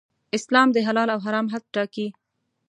اسلام د حلال او حرام حد ټاکي.